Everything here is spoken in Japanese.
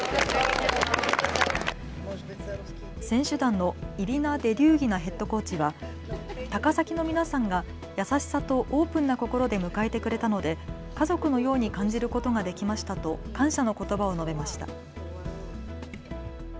選手団のイリナ・デリューギナヘッドコーチは高崎の皆さんが優しさとオープンな心で迎えてくれたので家族のように感じることができましたと感謝のことばを述べました。